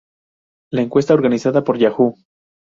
La encuesta organizada por Yahoo!